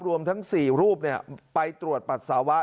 รวมทั้ง๔รูปไปตรวจปัสสาวะ